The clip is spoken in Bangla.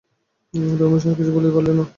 রমেশ আর কিছু বলিতে পারিল না।